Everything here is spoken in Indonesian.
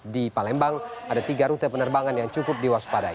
di palembang ada tiga rute penerbangan yang cukup diwaspadai